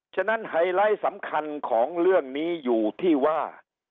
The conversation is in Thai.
ฉะนั้นไฮไลท์สำคัญของเรื่องนี้อยู่ที่ว่า